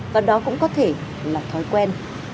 và đó cũng có thể là thói quen